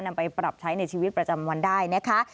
นำไปปรับใช้ในชีวิตประจำวันได้นะคะ